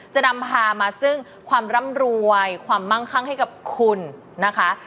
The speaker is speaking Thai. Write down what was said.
จะนำพามาซึ่งความร่ำรวยความมั่งคั่งให้กับคุณนะคะ